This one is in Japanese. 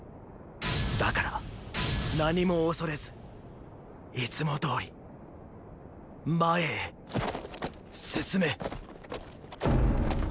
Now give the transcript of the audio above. だから何も恐れずいつもどおり前へ進め。